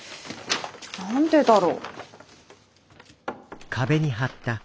何でだろ？